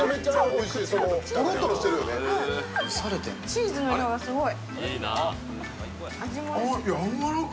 チーズの量がすごい。